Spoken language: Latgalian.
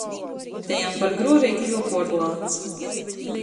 Te jam par gruoveiti juopuorlāc.